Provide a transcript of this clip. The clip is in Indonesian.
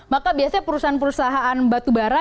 maka biasanya perusahaan perusahaan batubara